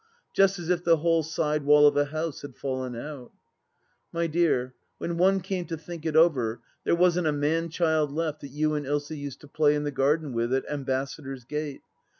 Just as if the whole side wall of a house had fallen out !... My dear, when one came to think it over, there wasn't a man child left that you and Ilsa used to play in the gardens with at Ambassador's Gate.